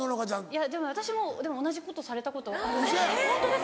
いやでも私も同じことされたことあるんで。